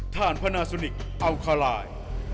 ท่านพนาสุนิคอัลคาลาย